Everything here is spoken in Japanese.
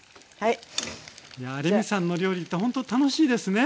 いやレミさんの料理ってほんと楽しいですね。